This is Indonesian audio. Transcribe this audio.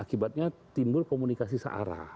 akibatnya timbul komunikasi searah